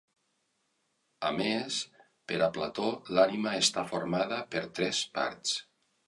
A més, per a Plató l'ànima està formada per tres parts.